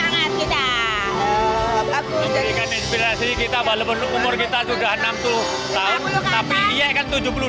ini kan inspirasi kita walaupun umur kita sudah enam tujuh tahun